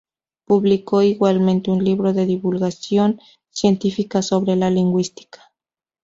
Publicó igualmente un libro de divulgación científica sobre la Lingüística.